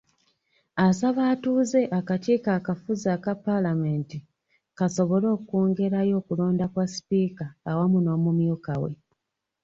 Asaba atuuze akakiiko akafuzi aka Palamenti, kasobole okwongerayo okulonda kwa Sipiika awamu n'omumyuka we.